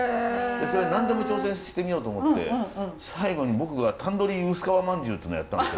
それで何でも挑戦してみようと思って最後に僕がタンドリー薄皮まんじゅうっていうのをやったんですよ。